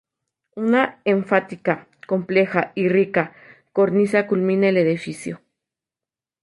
Una enfática, compleja y rica cornisa culmina el edificio.